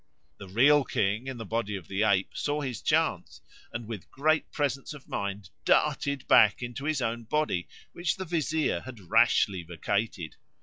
The real king in the body of the ape saw his chance, and with great presence of mind darted back into his own body, which the vizier had rashly vacated.